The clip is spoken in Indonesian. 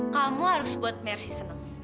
kamu harus buat mercy seneng